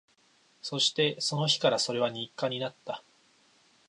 そして、その日からそれは日課になった